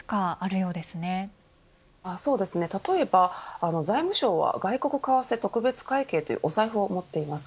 そうですね、例えば財務省は外国為替特別会計というお財布を持っています。